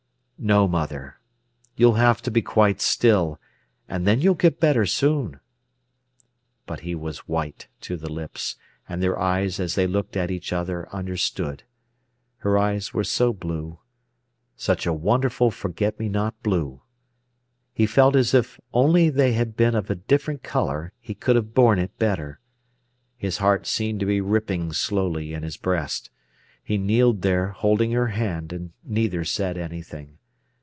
"No, mother. You'll have to be quite still, and then you'll get better soon." But he was white to the lips, and their eyes as they looked at each other understood. Her eyes were so blue—such a wonderful forget me not blue! He felt if only they had been of a different colour he could have borne it better. His heart seemed to be ripping slowly in his breast. He kneeled there, holding her hand, and neither said anything.